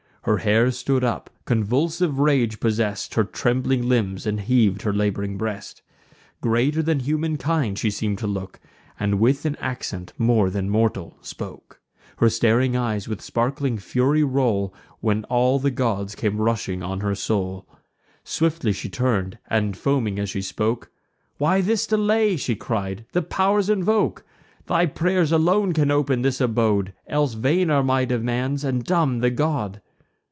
Her hair stood up; convulsive rage possess'd Her trembling limbs, and heav'd her lab'ring breast. Greater than humankind she seem'd to look, And with an accent more than mortal spoke. Her staring eyes with sparkling fury roll; When all the god came rushing on her soul. Swiftly she turn'd, and, foaming as she spoke: "Why this delay?" she cried; "the pow'rs invoke! Thy pray'rs alone can open this abode; Else vain are my demands, and dumb the god."